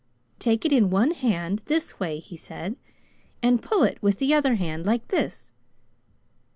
"Take it in one hand this way," he said, "and pull it with the other hand, like this!"